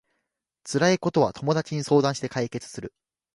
辛いことは友達に相談して解決する